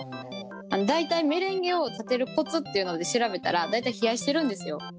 大体メレンゲを立てるコツっていうので調べたら大体冷やしてるんですよ。